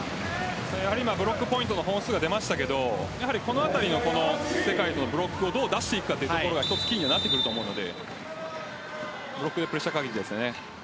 今、ブロックポイントの本数が出ましたけどこのあたりの世界のブロックをどう出していくかがキーになってくると思うのでブロックでプレッシャーかけていきたいですね。